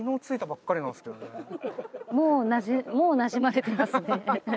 はいもうなじまれてますね